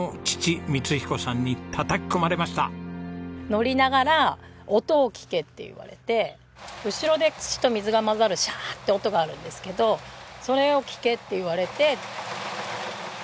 乗りながら音を聞けって言われて後ろで土と水が混ざるシャーッて音があるんですけどそれを聞けって言われて。